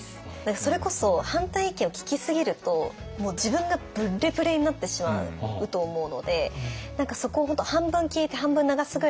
それこそ反対意見を聞きすぎるともう自分がブレブレになってしまうと思うので何かそこを本当半分聞いて半分流すぐらいがいいのか。